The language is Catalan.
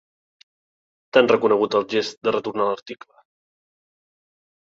T'han reconegut el gest de retornar l'article.